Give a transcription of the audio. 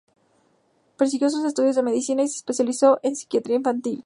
Prosiguió sus estudios de medicina y se especializó en psiquiatría infantil.